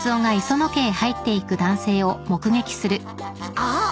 あっ！